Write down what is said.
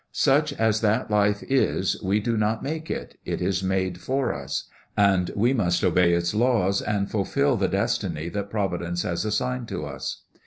Such as that life is we do not make it it is made for us; and we must obey its laws and fulfil the destiny that Providence has assigned to us.